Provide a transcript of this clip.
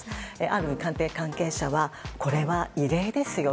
ある官邸関係者はこれは異例ですよ